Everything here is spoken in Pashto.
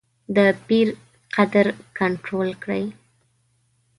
د پیر قدرت کنټرول کړې.